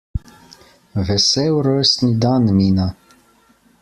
Vesel rojstni dan Mina!